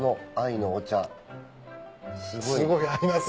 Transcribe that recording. すごい合いますよね。